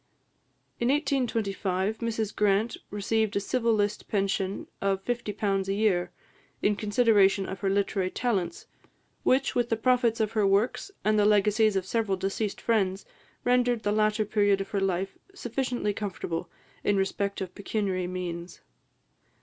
In 1825, Mrs Grant received a civil list pension of £50 a year, in consideration of her literary talents, which, with the profits of her works and the legacies of several deceased friends, rendered the latter period of her life sufficiently comfortable in respect of pecuniary means.